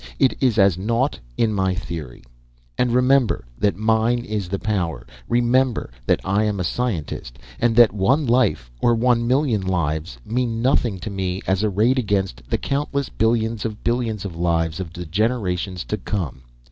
It is as naught, in my theory. And remember that mine is the power. Remember that I am a scientist, and that one life, or one million of lives, mean nothing to me as arrayed against the countless billions of billions of the lives of the generations to come.